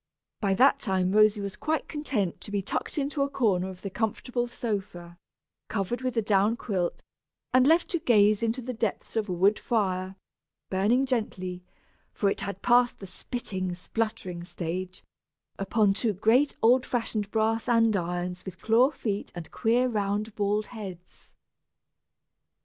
By that time Rosy was quite content to be tucked into a corner of the comfortable sofa, covered with a down quilt, and left to gaze into the depths of a woodfire, burning gently (for it had passed the spitting, spluttering stage), upon two great old fashioned brass andirons with claw feet and queer round bald heads.